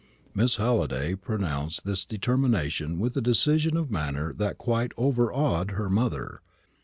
Miss Halliday pronounced this determination with a decision of manner that quite overawed her mother.